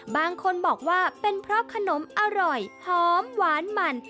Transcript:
บางคนบอกว่าเป็นเพราะขนมอร่อยหอมหวานมัน